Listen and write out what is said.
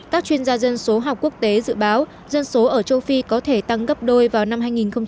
các chuyên gia dân số học quốc tế dự báo dân số ở châu phi có thể tăng gấp đôi vào năm hai nghìn ba mươi